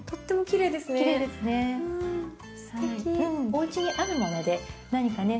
おうちあるもので何かね